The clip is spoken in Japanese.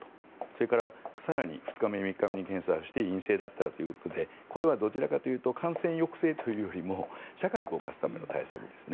それから更に２日目、３日目に検査して陰性だったらということでこれはどちらかというと感染抑制というよりも社会を動かすための対策です。